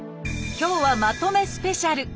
今日はまとめスペシャル。